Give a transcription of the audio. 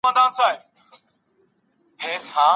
نوي تجربې د ژوند پوهه زیاتوي.